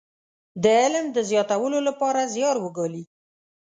د علم د زياتولو لپاره زيار وګالي.